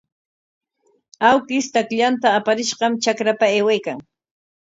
Awkish takllanta aparishqam trakrapa aywaykan.